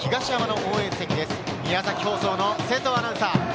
放送の瀬藤アナウンサー。